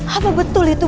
apa betul itu